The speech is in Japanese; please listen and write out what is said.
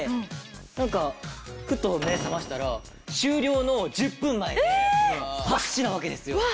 なんかふと目ぇ覚ましたら終了の１０分前で白紙なわけですよ。